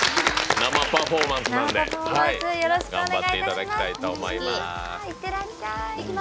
生パフォーマンスなんで頑張っていただきたいと思います。